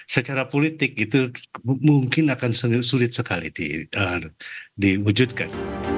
secara politik itu mungkin akan sulit sekali diwujudkan